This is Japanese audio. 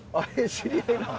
知り合いなん？